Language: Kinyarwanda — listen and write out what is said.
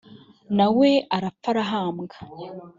na we arapfa arahambwa